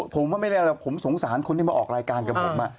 ผมว่าไม่ได้อะไรผมสงสารคนที่มาออกรายการกับผม